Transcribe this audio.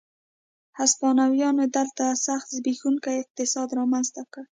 هسپانویانو دلته سخت زبېښونکی اقتصاد رامنځته کړ.